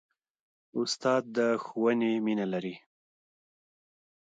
استاد د ښوونې مینه لري.